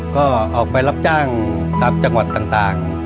ก็ออกไปรับจ้างตามจังหวัดต่าง